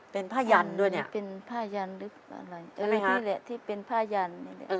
เป็นผ้ายันด้วยเนี่ยเป็นผ้ายันนี่แหละที่เป็นผ้ายัน